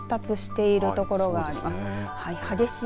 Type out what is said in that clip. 今、雨雲が発達している所があります。